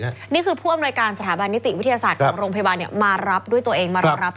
นี่คือผู้อำนวยการสถาบันนิติวิทยาศาสตร์ของโรงพยาบาลเนี่ยมารับด้วยตัวเองมารอรับ